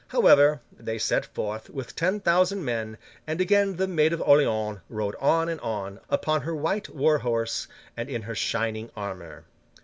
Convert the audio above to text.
However, they set forth, with ten thousand men, and again the Maid of Orleans rode on and on, upon her white war horse, and in her shining armour.